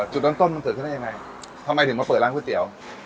จุดเริ่มต้นมันเกิดขึ้นได้ยังไงทำไมถึงมาเปิดร้านก๋วยเตี๋ยว